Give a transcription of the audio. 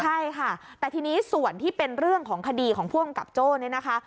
ใช่ค่ะแต่ทีนี้ส่วนที่เป็นเรื่องของคดีของผู้กำกับโจ้เนี่ยนะคะ